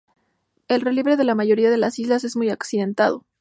El relieve de la mayoría de las islas es muy accidentado.